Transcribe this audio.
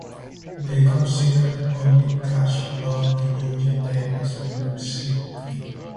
They considered "only" cash flow into Georgia Tech as membership fee.